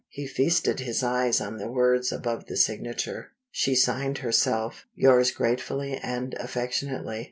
He feasted his eyes on the words above the signature: she signed herself, "Yours gratefully and affectionately."